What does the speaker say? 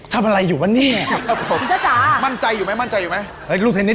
หมายเลข๓หมวกสาร